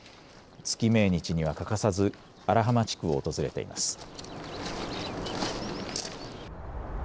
月命日には欠かさず荒浜地区を訪れています。